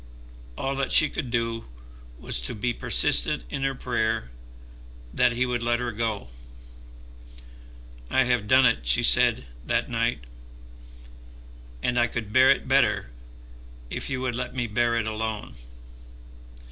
All that she could do was to be persistent in her prayer that he would let her go. "I have done it," she said that night, "and I could bear it better, if you would let me bear it alone."